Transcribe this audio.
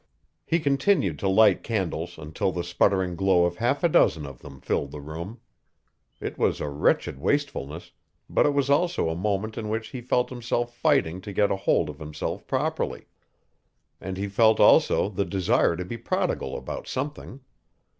He continued to light candles until the sputtering glow of half a dozen of them filled the room. It was a wretched wastefulness, but it was also a moment in which he felt himself fighting to get hold of himself properly. And he felt also the desire to be prodigal about something.